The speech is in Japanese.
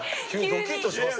ドキっとしますね。